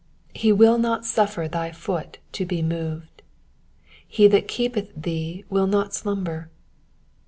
3 He will not suffer thy foot to be moved : he that keepeth thee will not slumber.